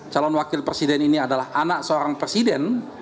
calon wakil presiden ini adalah anak seorang presiden